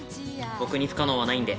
僕に不可能はないんで。